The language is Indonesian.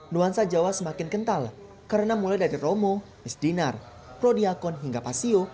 nuansa jawa semakin kental karena mulai dari romo misdinar prodiakon hingga pasio